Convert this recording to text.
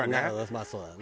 まあそうだね。